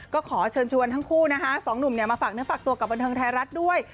ก็ขอเชิญชวนทั้งคู่นะคะสองหนุ่มมาฝากเนื้อฝากตัวกับบันเทิงไทยรัฐด้วย